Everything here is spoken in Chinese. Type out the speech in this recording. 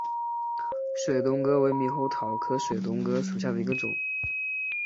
水东哥为猕猴桃科水东哥属下的一个种。